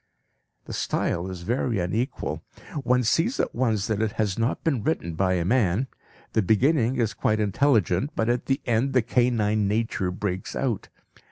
The style is very unequal! One sees at once that it has not been written by a man. The beginning is quite intelligent, but at the end the canine nature breaks out.